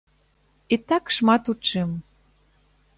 І так шмат у чым.